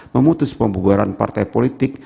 memutus pembubaran partai politik